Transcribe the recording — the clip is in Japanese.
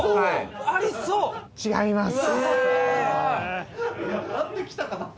違います。